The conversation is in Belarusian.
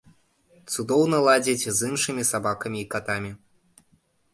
Цудоўна ладзіць з іншымі сабакамі і катамі.